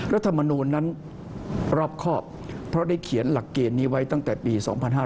รัฐมนูลนั้นรอบครอบเพราะได้เขียนหลักเกณฑ์นี้ไว้ตั้งแต่ปี๒๕๕๙